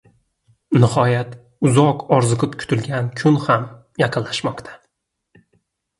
Nihoyat uzoq orziqib kutilgan kun ham yaqinlashmoqda: